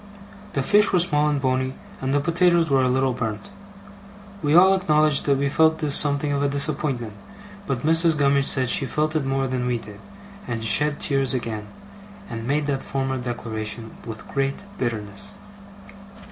The fish were small and bony, and the potatoes were a little burnt. We all acknowledged that we felt this something of a disappointment; but Mrs. Gummidge said she felt it more than we did, and shed tears again, and made that former declaration with great bitterness.